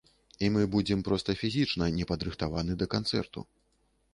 І мы будзем проста фізічна непадрыхтаваны да канцэрту.